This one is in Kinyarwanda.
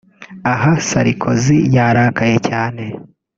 aha Sarkozy yarakaye cyane